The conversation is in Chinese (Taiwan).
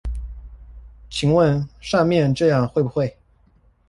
請問上面這樣會不會